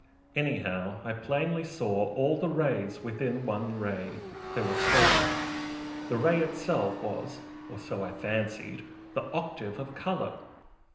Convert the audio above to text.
Anyhow I plainly saw all the rays within one ray there were seven. The ray itself was or so I fancied the octave of colour.